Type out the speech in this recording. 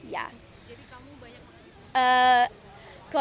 jadi kamu banyak lagi